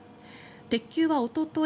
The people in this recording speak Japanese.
鉄球はおととい